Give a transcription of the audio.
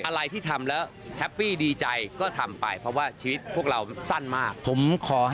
อะไรที่ทำแล้วแฮปปี้ดีใจก็ทำไปเพราะว่าชีวิตพวกเราสั้นมากผมขอให้